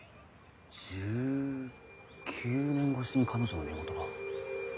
１９年越しに彼女の身元が。